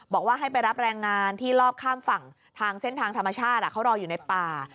บอกว่าให้ไปรับแรงงานที่รอบข้ามฝั่งทางเส้นทางธรรมชาติเขารออยู่ในป่า